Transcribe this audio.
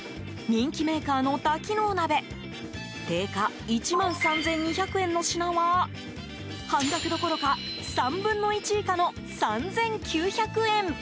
人気メーカーの多機能鍋定価１万３２００円の品は半額どころか、３分の１以下の３９００円。